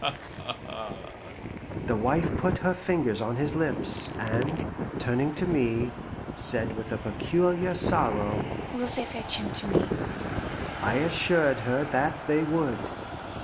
Ha, ha, ha " The wife put her fingers on his lips, and, turning to me, said with a peculiar sorrow, "Will they fetch him to me?" I assured her that they would.